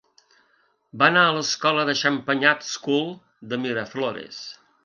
Va anar a l'escola de Champagnat School de Miraflores.